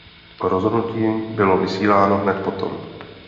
Rozhodnutí bylo vysíláno hned potom.